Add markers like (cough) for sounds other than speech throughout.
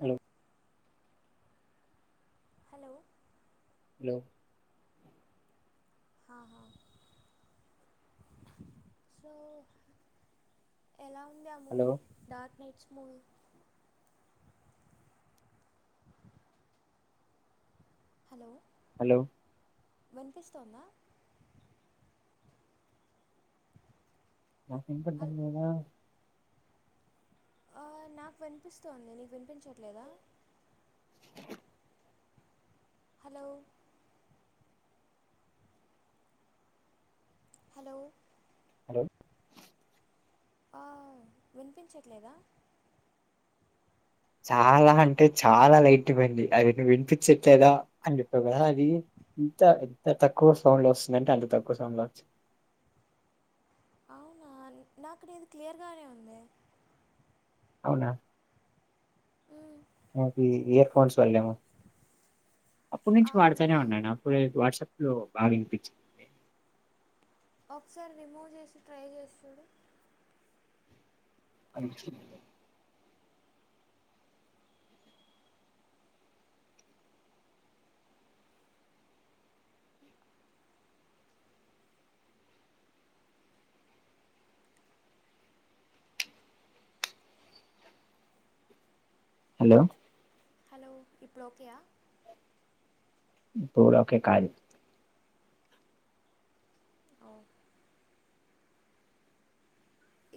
Hello hello hello అహా so ఎలా ఉంది ఆ hello movie dark knights movie hello hello విన్పిస్తోందా మాకిన్పడ్డం హల్ లేదా ఆ నాకు విన్పిస్తోంది నీకు విన్పించట్లేదా హలో హలో హలో ఆ విన్పించట్లేదా చాలా అంటే చాలా లైట్ పోయింది అది నువ్వు విన్పిచ్చట్లేదా అని చెప్పావు కదా అది ఇంత ఎంత తక్కువ సౌండ్ లో వస్తుందంటే అంత తక్కువ సౌండ్ లో వచ్చి అవునా నాకు లేదు క్లియర్ గానే ఉందే అవునా ఊ నాకి ఇయర్ ఫోన్స్ తొల్లేము అప్పుడు నుంచి ఆ వాడుతానే మేబీ ఉన్నాను (unintelligible) వాట్సాప్ లో బాగ ఇన్పిచ్చింది ఒకసారి రిమూవ్ చేసి ట్రై చేసి చూడు మంచిగుంటాది హలో హలో ఇప్పుడు ఓకే యా ఇప్పుడు గూడ ఓకే కాదు అవ్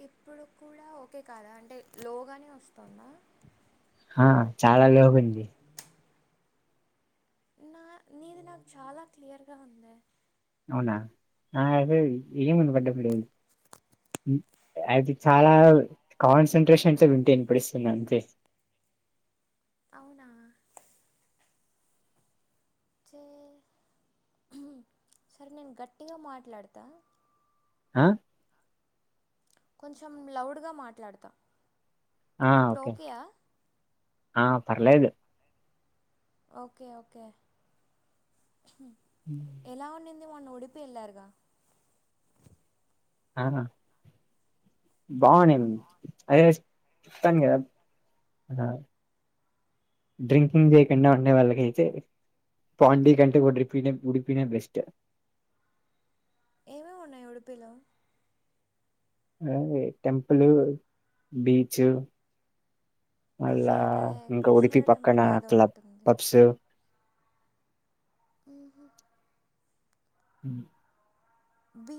ఇప్పుడు కూడా ఓకే కాదా అంటే లో గానే వస్తోందా ఆ చాలా లోగుంది నా నీది నాకు చాలా క్లియర్ గా ఉందే అవునా నాదైతే ఏం వినపడ్డం లేదు అది చాలా కాన్సంట్రేషన్ తో వింటే విన్పడిస్తుంది అంతే అవునా చే సరి నేను గట్టిగా మాట్లాడుతా ఆ కొంచెం లౌడ్ గా మాట్లాడతా ఇప్పుడు ఓకే యా ఆ పర్లేదు ఓకే ఓకే ఎలా ఉనిన్ వే ఒన్న ఉడిపి ఎళ్ళారుగా ఆహా బావునిన్ అదే చెప్తాను కదా ఆ డ్రింకింగ్ చేయకుండా ఉండే వాళ్ళకైతే పాండీ కంటే ఉడిపి నే ఉడిపి నే బెస్ట్ ఏమేమి ఉన్నాయి ఉడిపిలో (unintelligible) టెంపులు బీచ్ మళ్ళ శ్రీ అదే ఇంకా ఉడిపి కృష్ణుడి పక్కన టెంపుల్ ఏదో క్లబ్ ఉంటుంది పబ్స్ ఊహూ ఊ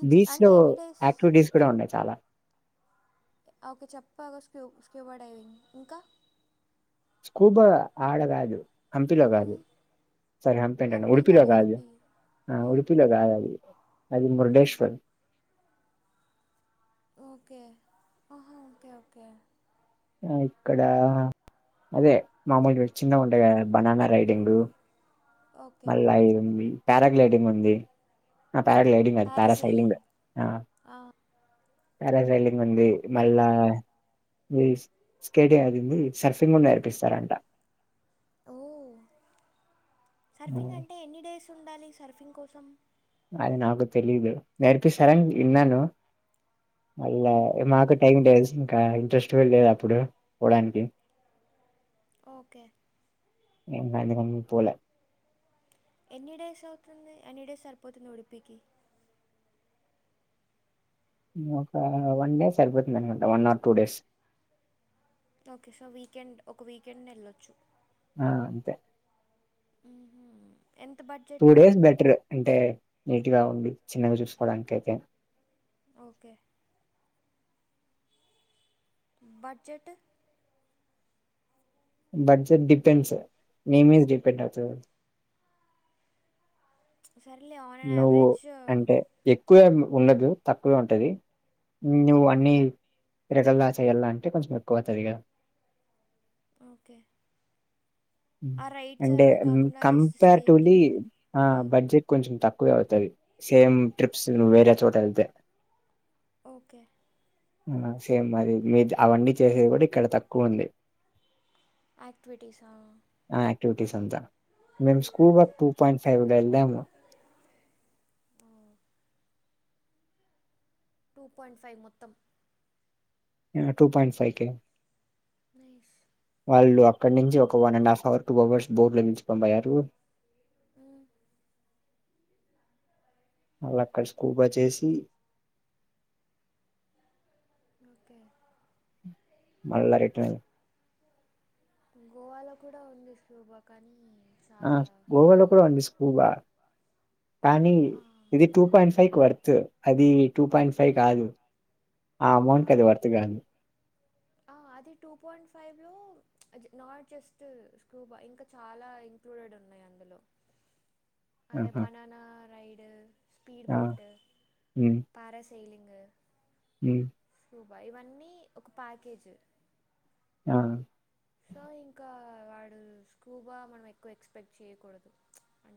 బీచ్ అంటే లో ఎన్ని డేస్ యాక్టివిటీస్ కూడా ఉన్నాయి చాలా ఓకే చెప్పాగా స్క్యూ స్క్యూబా డ్రైవింగ్ ఇంకా స్కూబా ఆడ గాదు హంపిలో కాదు మ్మ్. సారి హంపి అంటాండా ఉడిపిలో కాదు మ్మ్. ఉడిపిలో కాదు అది అది మురుడేష్ టై ఓకే అహా ఓకే ఓకే ఆ ఇక్కడ అదే మామూలుగా చిన్నగా ఉంటాయి కదా బనానా రైడింగు ఓకే మళ్ళ ఈవింగి ప్యారాగ్లైడింగ్ ఉంది ఆ ప్యారాగ్లైడింగ్ గాదు ప్యారాసైలింగ్ పారాసైలింగ్ ప్యారాజైలింగ్ ఉంది మళ్ళా వీస్ స్కేటింగ్ అదింది సర్ఫింగ్ కూడా నేర్పిస్తారంట ఓ సర్ఫింగ్ అంటే ఎన్ని డేస్ ఉండాలి సర్ఫింగ్ కోసం అది నాకు తెలీదు నేర్పిస్తారు అని ఇన్నాను మళ్ళ మ్హూ. మాకు టైమ్ డేసింకా ట్రస్ట్ వెళ్ళేదప్పుడు పోవడానికి ఓకే ఇంక అందుకని పోలే ఎన్ని డేస్ అవుతుంది ఎన్ని డేస్ సరిపోతుంది ఉడిపికి ఒక వన్ డే సరిపోతుంది అనుకుంటా one or two days okay so weekend ఒక వీకెండ్ ఎళ్ళొచ్చు ఆ అంతే ఊహూ టూ డేస్ బెటర్ అంటే నీట్గా ఉండి చిన్నగా చూసుకోవడానికైతే ఓకే బడ్జెటు బడ్జెట్ డిపెండ్స్ నీ మీద డిపెండ్ అవుతది అది సరేలే ఆన్ అండ్ యావరేజ్ వ ఉండదు తక్కువే ఉంటది నువ్వు అన్ని తిరగల్లా చేయల్ల అంటే కొంచెం ఎక్కువ అవుతది కదా ఓకే ఉమ్ ఆ రైడ్స్ అంటే అంతా కాకుండా జస్ట్ కంపారిటివ్లీ స్టేకి ఆ బడ్జెట్ కొంచెం తక్కు ఎక్కువ అవుతుది సేమ్ ట్రిప్స్ నువ్వు వేరే చోట వెళ్తే ఓకే ఆ సేమ్ మది మీ అవన్నీ చేసేది కూడా ఇక్కడ తక్కువ ఉంది ఆక్టివిటీస్ ఆ ఆ ఆక్టివిటీస్ అంతా మేము స్కూల్ (unintelligible) టూ పాయింట్ ఫైవ్లో వెళ్ళాము టూ పాయింట్ ఫైవ్ మొత్తం um two point five K nice వాళ్ళు అక్కడ నుంచి ఒక one and half hour two hours boat లో పిలుచుకొనిపోయారు ఉమ్ మళ్ళ అక్కడ స్కూబా చేసి ఓకే మల్లా రిటర్న్ గోవాలో కూడా ఉంది స్కూబా కానీ ఆ చాలా గోవాలో కూడా ఉంది స్కూబా కానీ ఆ ఇది టూ పాయింట్ ఫైవ్ కి వర్త్ అది టూ పాయింట్ ఫైవ్ కాదు ఆ అమౌంట్కి అది వర్త్ గాదు ఆ అది టూ పాయింట్ ఫైవ్ లో ప్చ్ నాట్ జస్ట్ స్కూబా ఇంకా చాలా ఇంక్లూడెడ్ ఉన్నాయి అందులో అదే ఆహా! బనానా రై డ్ స్పీడ్ ఆ! Boat parasailing um scuba ఇవన్నీ ఒక ప్యాకేజ్ ఆ సో ఇంకా వాడు స్కూబా మనం ఎక్కువ ఎక్స్పెక్ట్ చేయకూడదు ప్చ్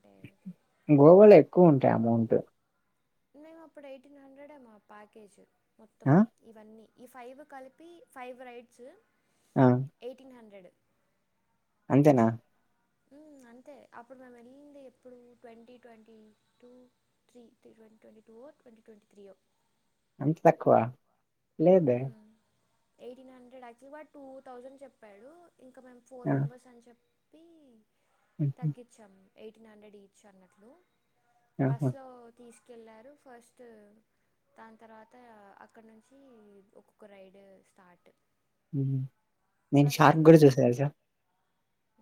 గోవాలో ఎక్కువ ఉంటాయి అమౌంట్ మేం అప్పుడు ఎయిటీన్ హండ్రెడ్ ఏమో ప్యాకేజ్ మొత్తం ఆ! ఇవన్నీ ఈ ఫైవ్ కలిపి ఫైవ్ రైడ్స్ ఆ! ఎయిటీన్ హండ్రెడ్ అంతేనా ఉమ్ అంతే అప్పుడు మేము వెళ్ళింది ఎప్పుడు twenty twenty two three twenty twenty two twenty twenty three యో అంత తక్కువ లేదే మ్మ్ ఎయిటీన్ హండ్రెడ్ యాక్టువల్ గా టూ థౌజండ్ చెప్పాడు ఇంకా మేము ఫోర్ ఆ! మెంబెర్స్ అని చెప్ హుహు. తగ్గించాము ఎయిటీన్ హండ్రెడ్ ఈచ్ అన్నట్లు బస్ ఆహా! లో తీస్ కేళ్ళారు ఫస్ట్ దాని తర్వాత అక్కడ నుంచి ఒక్కొక్క రైడ్ స్టార్ట్ ఉమ్ హు నేను షార్క్ గూడ చూసా తెల్సా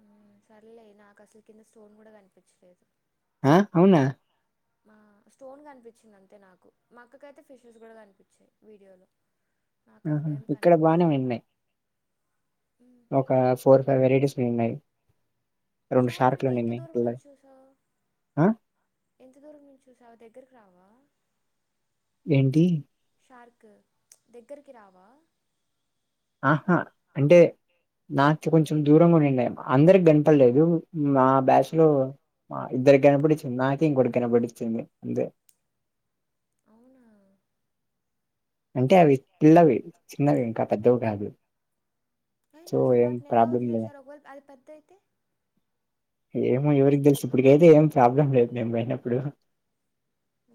ఉ సర్లే నాకు అసలు కింద స్టోన్ కూడా కనిపించలేదు ఆ అవునా మా స్టోన్ కనిపించింది అంతే నాకు మా అక్కకైతే ఫిషెస్ కూడా కనిపించాయి వీడియోలో నాకు ఆహా అవేం ఇక్కడ బానే కనిపించలేదు ఉన్నాయి మ్మ్ హ్మ్ ఒక ఫోర్ ఫైవ్ వెరైటీస్ చెనై షార్క్ అంటే ఎంత దూరం ను చూ సా ఆ! ఎంత దూరం నుంచ చు సవు దగ్గరకు రావా ఏంటి షార్క్ దగ్గరికి రావా ఆహా అంటే నాక కొంచెం దూరంగా నింండయి అందరికి గనపడలేదు మా బాచ్లో మా ఇద్దరికి కనపడిచ్చింది నాకే ఇంకోొటి కనపడిచ్చింది అందే అవునా అంటే అవి పిల్లవి చిన్నవి ఇంకా పెద్దవి కాదు అయినా సో అసలు ఏం వాటిని ఎలా ప్రాబ్లం తె లేదు లేసార అది ప థతే ఏమో ఎవరికి తెలిసు ఇప్పటికైతే ఏం ప్రాబ్లం లేదు మేము పోయినప్పుడు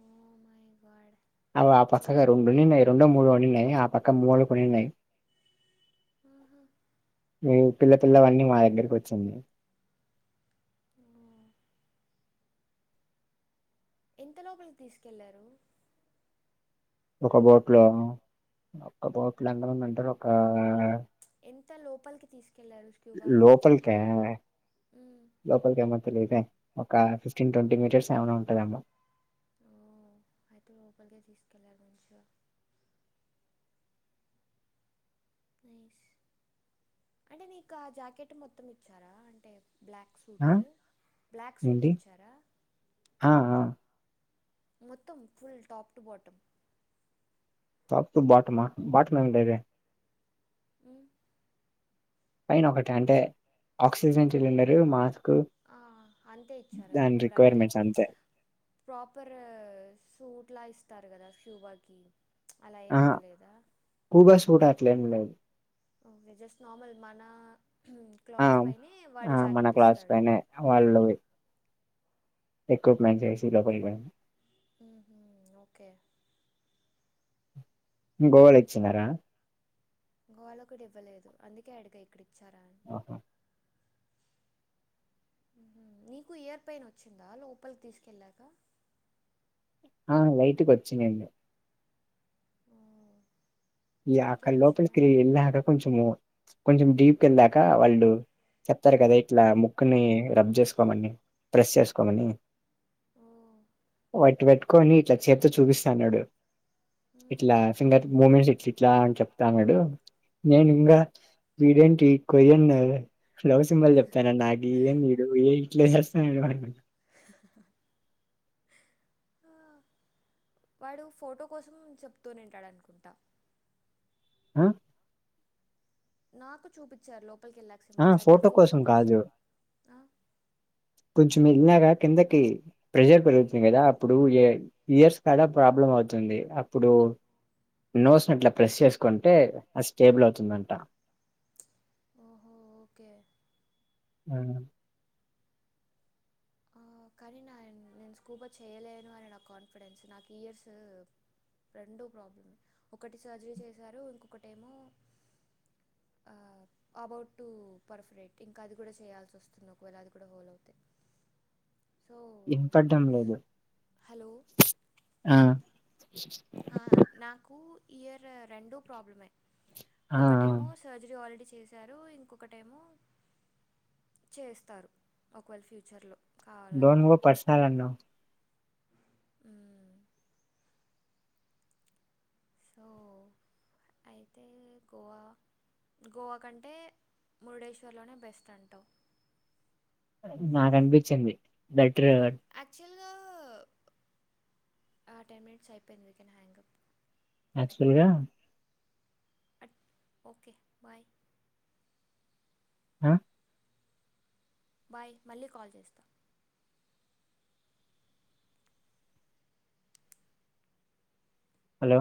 ఓ మై గాడ్ అవు ఆ పక్కగా రెండున్నాయి రెండో మూడుోడి ఉన్నాయి ఆ పక్క మూ పన్నాయి అహ మీ పిల్ల పల్లవన్నీ మా దగ్గరకి వచ్చింది ఓ. ఎంత లోపలి తీసుకెళ్లారు ఒక బోట్ లో ఒక బోట్లు అంద ఉందంటారు ఒక ఆ ఎంత లోపలికి తీసుకెళ్లారు స్క్యూబా లోపల్క క మ్మ్. లోకల్ క మత్తలే ఇదతే ఒక ఫిఫ్టీన్ ట్వంటీ మీటర్స్ ఏమైనా ఉంటదమ్మా ఓ అయితే రఓపల్కగా తీస్కలాంచ అంటే నీకు ఆ జాకెట్ మొత్తం ఇచ్చారా అంటే బ్లాక్ సూట్ ఆ బ్లాక్ సూట్ ఏంటి ఇచ్చారా ఆ ఆ మొత్తం ఫుల్ టాప్ టు బాటమ్ తప్ప బాటుమా బాట్మతే ఈ పైన ఒకటి అంటే ఆక్సిజన్ సిలిండరు మాస్ అంతే ఇచ్చారా మీకు కూడా అంటే లైక్ రిక్వైర్మెంట్స్ అంతే ప్రాపర్ సూట్ ఇట్లా ఇస్తారు కదా శూభాకిి ఆ ఆబస్ ఫూటాట్లేం లేదు ఓకే జస్ట్ నార్మల్ మన ఆ క్లాత్స్ పైనే వాడి ఆ మన జాకెట్ క్లాస్ ఇస్తాడు పైనే వాళ్ళు ఎక్విప్మెంట్స్ చేసి లో పపోడి ఓకే గోవాల్ ఇచ్చన్నారా గోవాలోలకు ఇవ్వలేదు అందుకే అడిగా ఇక్కడి ఇచ్చారా అని ఆహా నీకు ఇయర్ పన్ వచ్చిందా లోపలికి తీసుకెళ్లాక ఆ లైటుకి వచ్చింగ ఈ నీకే అక్కడ లోపలికిిరి వచ్చిందంటే వెళ్ళక కొంచము కొంచెం డీప్ వళ్ళాక వాళ్ళు చెప్తారు కదా ఇట్లా ముక్కుని రబ్ చేసు చసుకోమని ప్ర్రెష్ చేసుకోమని ఓ వట్టి పెట్టుకొని ఇట్లా చేతో చూపిస్తాన్నాడు మ్మ్ ఇట్లా ఫింగ మమెంట్స్ ఎట్లా అని చెప్తాన్నాడు నేను మ్మ్ ఇంకా వీరేంటి కొ ఎన్న లవ్ సింల్ చెప్తాను న నాగి ఏన్ నడు ఏయ ఇస్త వాడు ఫోటో కోసం చెప్తూంటాడునుకుంటా ఆ నాకు చూపించారు లో సిల్కి వెళ్ళా సింబల్స్ అడ ఫోటో కోసం ఆ కొంచెం మల్నగా కిందకి ప్రెజర్ మ్మ్ పెరుగుతుంది కదా అప్పుడు ఏ ఇయర్స్ కూడాడ ప్రాబ్లమ్ అవుతుంది అప్పుడు నోసినట్లా ప్రెస్ చేసుకుంటే అది స్టేబుల్ అవుతుందంట ఓహో ఓకే ఆ ఆ, కానీ నా నేను స్కూబర్ చేయలేను అని నా కాన్ఫిడెన్స్ నాకు ఇయర్స్ రెండో ప్రాబ్లం ఒకటి సర్జరీ చేశారు ఇంకొకటేమో అబౌట్ టు పర్ఫెక్ట్ ఇంకా అది కూడా చేయాల్సి వస్తుంది ఒకవేళ అది కూడా హోల్ అవుతే సో ఇంపడ్డం లేదు హలో ఆ ఆ నాకు ఇయర్ రెండో ప్రాబ్లమే ఆ ఒకటేమో సర్జరీ ఆల్రెడీ చేశారు ఇంకొకటీ ఏమో చేస్తారు ఒకవేళ ఫ్యూచర్లో దోన్ కావాలంటే గో పర్సనల్ అన్నావ్ అ సో అయితే గోవా గోవా కంటే మురుడేశ్వర్లోనే బెస్ట్ అంటావ్ నాకు అనిపించింది దట్ ఉత్తరేగఢ రచల్గా టెన్ మినిట్స్ అయిపోయింది వికనా హ్యాంగప్ నాచురల్ గా అట్ ఓకే బాయ్ ఆ బాయ్ మళ్ళీ కాల్ చేస్తా హలో